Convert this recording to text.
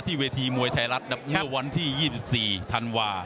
พี่น้องอ่ะพี่น้องอ่ะพี่น้องอ่ะ